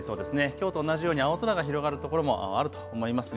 きょうと同じように青空が広がる所もあると思います。